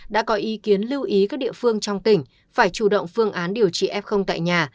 đã có ý kiến lưu ý các địa phương trong tỉnh phải chủ động phương án điều trị f tại nhà